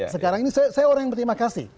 sekarang ini saya orang yang berterima kasih